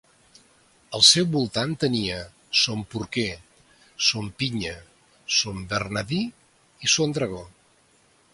Al seu voltant tenia Son Porquer, Son Pinya, Son Bernadí i Son Drago.